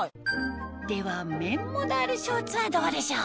では綿モダールショーツはどうでしょう？